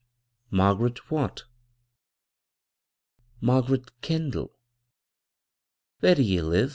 " Margaret what ?"" Margaret Kendall" " Where do ye live